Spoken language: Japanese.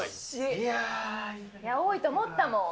いや、多いと思ったもん。